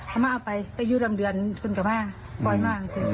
เอามาเอาไปไปอยู่รำเดือนคนก็มากปล่อยมากสิ